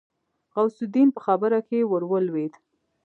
غوث الدين په خبره کې ورولوېد.